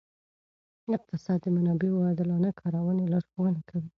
اقتصاد د منابعو عادلانه کارونې لارښوونه کوي.